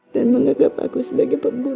dan mengagap aku sebagai pembunuh